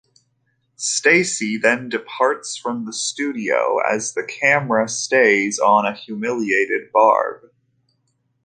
Stacy then departs from the studio as the camera stays on a humiliated Barb.